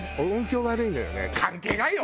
関係ないよ！